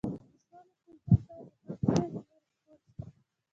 د سولې کلتور باید د ښوونځیو له لارې خپور شي.